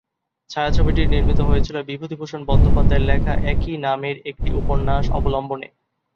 ছায়াছবিটি নির্মিত হয়েছিল বিভূতিভূষণ বন্দ্যোপাধ্যায়ের লেখা একই নামের একটি উপন্যাস অবলম্বনে।